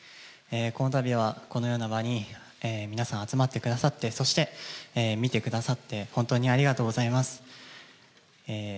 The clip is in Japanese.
このたびはこのような場に皆さん、集まってくださって、そして見てくださって、本当にありがとうございます。